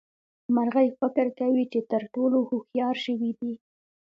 مرغۍ فکر کوي چې تر ټولو هوښيار ژوي دي.